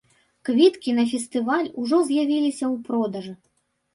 Квіткі на фестываль ужо з'явіліся ў продажы.